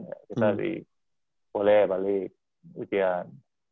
ya bisa dikuliah balik ujian